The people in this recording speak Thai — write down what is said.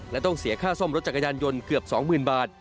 และต้องเสียค่าซ่อมรถจักรยานยนต์เกือบ๒๐๐๐บาท